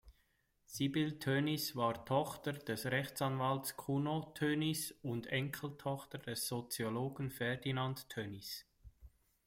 Sibylle Tönnies war Tochter des Rechtsanwalts Kuno Tönnies und Enkeltochter des Soziologen Ferdinand Tönnies.